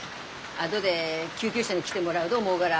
あどで救急車に来てもらうど思うがら。